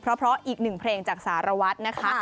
เพราะอีกหนึ่งเพลงจากสารวัตรนะคะ